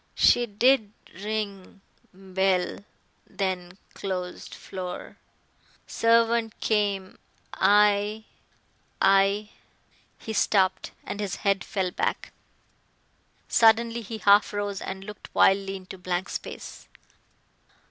"She did ring bell then closed floor. Servant came I I " he stopped and his head fell back. Suddenly he half rose and looked wildly into blank space.